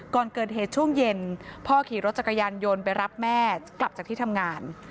ก่อนเกิดเหตุช่วงเย็นพ่อขี่รถจักรยานยนต์ไปรับแม่กลับจากที่ทำงาน